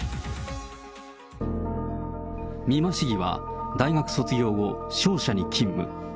美馬市議は大学卒業後、商社に勤務。